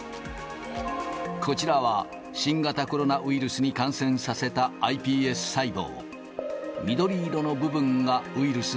こちらは、新型コロナウイルスに感染させたｉＰＳ細胞。